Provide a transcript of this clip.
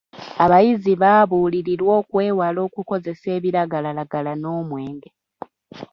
Abayizi baabuulirirwa okwewala okukozesa ebiragalalagala n'omwenge.